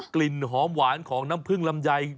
กลิ่นหอมหวานของน้ำผึ้งลำไย